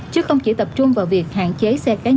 chứ không chỉ tập trung vào việc hạn chế xe cá nhân